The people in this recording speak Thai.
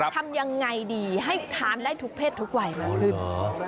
ทำยังไงดีให้ทานได้ทุกเพศทุกวัยมากขึ้น